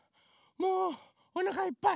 もうおなかいっぱい。